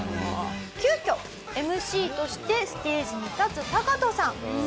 急きょＭＣとしてステージに立つタカトさん。